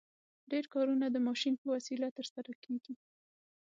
ډېر کارونه د ماشین په وسیله ترسره کیږي.